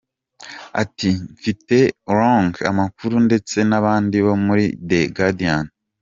Ati “Mfitiye Wrong amakuru ndetse n’abandi bo muri The Guardian.